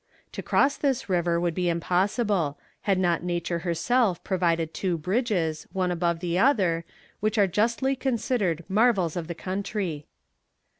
To cross this river would be impossible, had not nature herself provided two bridges, one above the other, which are justly considered marvels of the country.